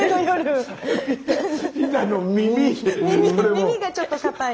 耳がちょっとかたい。